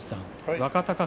若隆景